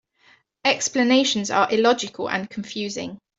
Explanations are illogical and confusing.